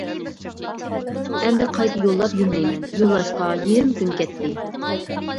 ئەمدى قايتا يوللاپ يۈرمەيمەن يوللاشقا يېرىم كۈن كەتتى.